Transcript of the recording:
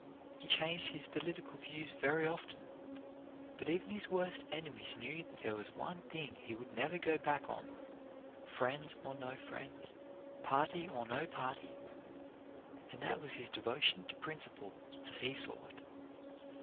He changed his political views very often; but even his worst enemies knew there was one thing he would never go back on, friends or no friends, party or no party and that was his devotion to principle as he saw it.